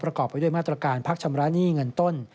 ประกอบไว้มาตรการภาคชำระหนี้เงินต้น